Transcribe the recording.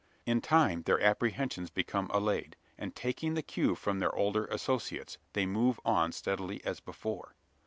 In time their apprehensions become allayed; and, taking the cue from their older associates, they move on steadily as before.